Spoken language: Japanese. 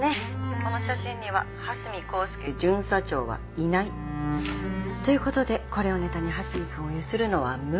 この写真には蓮見光輔巡査長はいない。という事でこれをネタに蓮見くんをゆするのは無理。